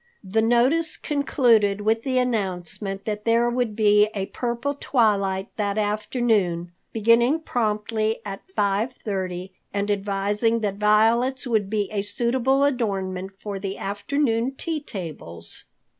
The notice concluded with the announcement that there would be a purple twilight that afternoon, beginning promptly at five thirty and advising that violets would be a suitable adornment for the afternoon tea tables.